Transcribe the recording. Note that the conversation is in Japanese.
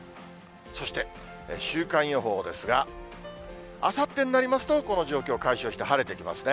そして、週間予報ですが、あさってになりますと、この状況解消して、晴れてきますね。